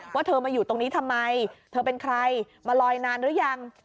เธอมาอยู่ตรงนี้ทำไมเธอเป็นใครมาลอยนานหรือยัง